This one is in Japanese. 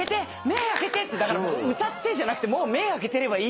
目開けて！」って「歌って！」じゃなくてもう目開けてればいいぐらいの。